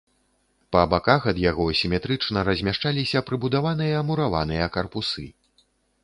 Па баках ад яго, сіметрычна размяшчаліся прыбудаваныя мураваныя карпусы.